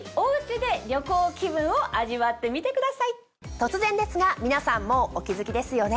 突然ですが皆さんもうお気付きですよね。